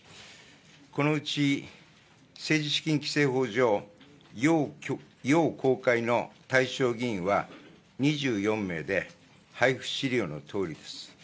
このうち政治資金規正法上、要公開の対象議員は、２４名で、配布資料のとおりです。